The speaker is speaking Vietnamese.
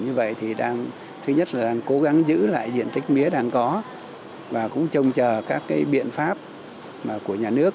như vậy thì đang thứ nhất là đang cố gắng giữ lại diện tích mía đang có và cũng trông chờ các cái biện pháp của nhà nước